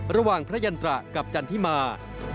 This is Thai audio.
ระหว่างพระยันตรากับจันทิมา